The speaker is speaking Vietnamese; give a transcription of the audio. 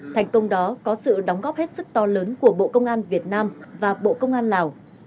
thành công đó có sự đóng góp hết sức to lớn của bộ công an việt nam và bộ công an lào